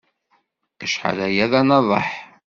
Acḥal aya d anaḍeḥ.